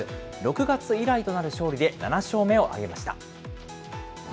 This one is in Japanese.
６月以来となる勝利で７勝目を挙げました。